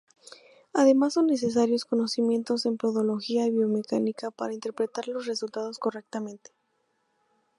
Además son necesarios conocimientos en podología y biomecánica para interpretar los resultados correctamente.